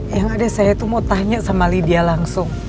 yang ada saya itu mau tanya sama lydia langsung